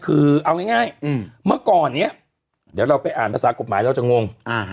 เอาง่ายมาก่อนเดี๋ยวเราไปอ่านภาษากฎหมายเราจะงง